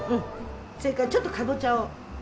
それからちょっとかぼちゃを。